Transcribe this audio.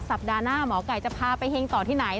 สัปดาห์หน้าหมอไก่จะพาไปเฮงต่อที่ไหน